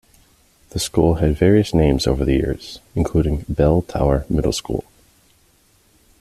The school had various names over the years, including Bell Tower Middle School.